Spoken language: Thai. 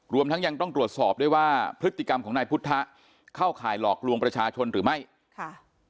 รวมทั้งยังต้องตรวจสอบด้วยว่าพฤติกรรมของนายพุทธะเข้าข่ายหลอกลวงประชาชนหรือไม่ค่ะ